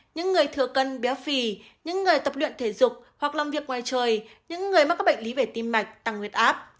những người thừa cân béo phì những người tập luyện thể dục hoặc làm việc ngoài trời những người mắc các bệnh lý về tim mạch tăng nguyệt áp